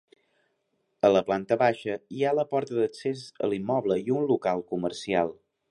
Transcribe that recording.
A la planta baixa hi ha la porta d'accés a l'immoble i un local comercial.